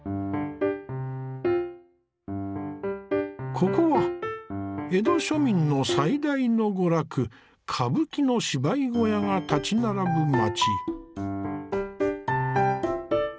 ここは江戸庶民の最大の娯楽歌舞伎の芝居小屋が立ち並ぶ街。